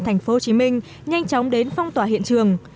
thành phố hồ chí minh nhanh chóng đến phong tỏa hiện trường